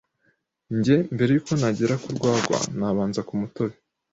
njye mbere y’uko nagera ku rwagwa nabanza ku mutobe